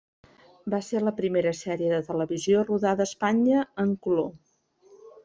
Va ser la primera sèrie de televisió rodada a Espanya en color.